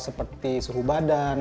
seperti suhu badan